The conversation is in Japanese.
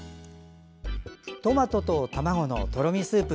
トマトと卵のとろみスープ